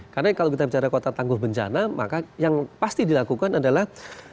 karena kalau kita bicara kota tangguh bencana maka yang pasti dilakukan adalah